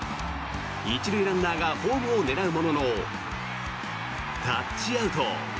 １塁ランナーがホームを狙うもののタッチアウト。